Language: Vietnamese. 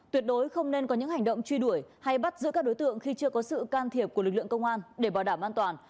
tuyệt đối không nên có những hành động truy đuổi hay bắt giữ các đối tượng khi chưa có sự can thiệp của lực lượng công an để bảo đảm an toàn